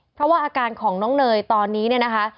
เพราะว่าอาการของน้องเนยตอนนี้เนี่ยนะคะ